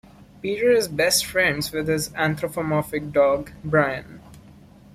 Peter is best friends with his anthropomorphic dog, Brian.